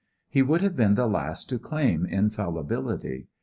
He would have been the last to claim infallibility.